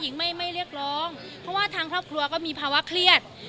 หญิงไม่เรียกร้องเพราะว่าทางครอบครัวก็มีภาวะเครียด